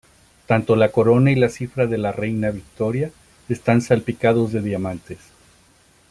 Tanto la corona y la cifra de la reina Victoria están salpicados de diamantes.